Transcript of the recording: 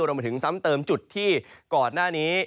รวมไปถึงซ้ำเติมจุดที่ก่อนหน้านี้